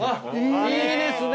いいですね！